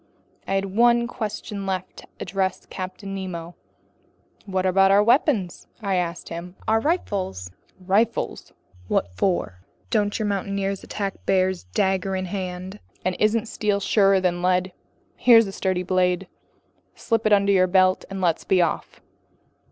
I had one question left to address to Captain Nemo. "What about our weapons?" I asked him. "Our rifles?" "Rifles! What for? Don't your mountaineers attack bears dagger in hand? And isn't steel surer than lead? Here's a sturdy blade. Slip it under your belt and let's be off."